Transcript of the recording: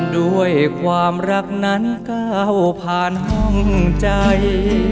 ด้วยความรักนั้นก้าวผ่านห้องใจ